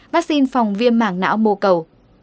vaccine phòng viêm mảng não mô cầu